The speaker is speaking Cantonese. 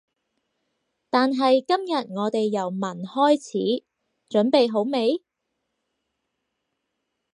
但係今日我哋由聞開始，準備好未？